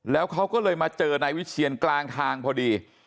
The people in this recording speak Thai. แล้วเขาก็เลยมาเจอนายวิเชียนกลางทางพอดี